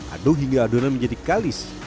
aduk hingga adonan menjadi kalis